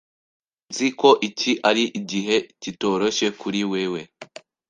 Nzi ko iki ari igihe kitoroshye kuri wewe.